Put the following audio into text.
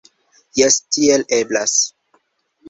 Jes, tiel eblas.